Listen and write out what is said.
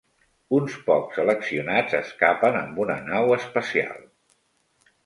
Uns pocs seleccionats escapen amb una nau espacial.